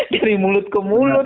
dari mulut ke mulut